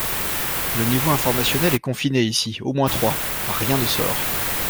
le niveau informationnel est confiné ici, au moins trois. Rien ne sort.